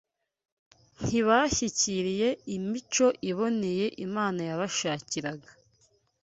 Ntibashyikiriye imico iboneye Imana yabashakiraga,